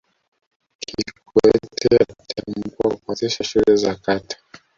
kikwete atakumbukwa kwa kuanzisha shule za kata